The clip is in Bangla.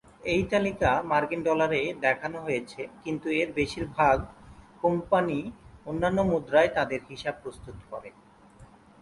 এই তালিকা মার্কিন ডলারে দেখানো হয়েছে, কিন্তু এর বেশিরভাগ কোম্পানী অন্যান্য মুদ্রায় তাদের হিসাব প্রস্তুত করে।